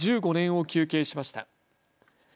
１５年を求刑しました。